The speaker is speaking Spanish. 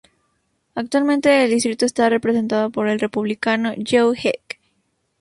Actualmente el distrito está representado por el Republicano Joe Heck.